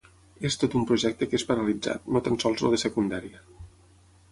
És tot un projecte que és paralitzat, no tan sols el de secundària.